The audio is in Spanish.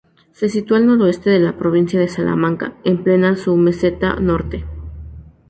Se sitúa al noreste de la provincia de Salamanca, en plena submeseta norte.